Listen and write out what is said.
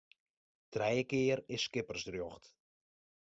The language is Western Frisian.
Trije kear is skippersrjocht.